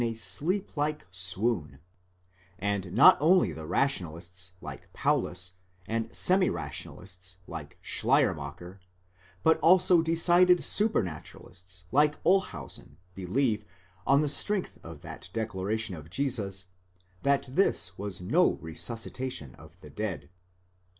ἃ sleep like swoon ; and not only rationalists, like Paulus, and semi rationa lists, like Schleiermacher, but also decided supranaturalists, like Olshausen, bélieve, on the strength of that declaration of Jesus, that this was no resusci tation of the dead.!